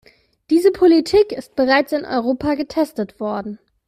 Diese Politik ist bereits in Europa getestet worden.